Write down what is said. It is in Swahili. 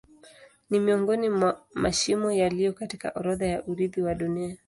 Ni miongoni mwa mashimo yaliyo katika orodha ya urithi wa Dunia.